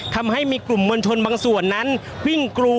ก็น่าจะมีการเปิดทางให้รถพยาบาลเคลื่อนต่อไปนะครับ